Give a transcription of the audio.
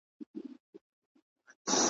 نه په غېږ کي د ځنګله سوای ګرځیدلای ,